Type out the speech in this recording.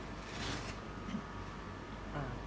ก็ต้องทำอย่างที่บอกว่าช่องคุณวิชากำลังทำอยู่นั่นนะครับ